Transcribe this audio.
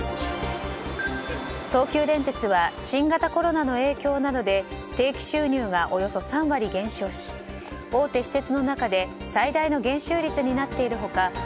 東急電鉄は新型コロナの影響などで定期収入がおよそ３割減少し大手私鉄の中で最大の減収率になっている他